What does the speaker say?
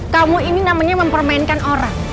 kamu ini namanya mempermainkan orang